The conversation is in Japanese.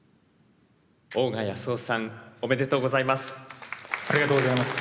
大賀康男さんおめでとうございます。